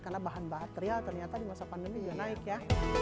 karena bahan bahan terial ternyata di masa pandemi juga naik ya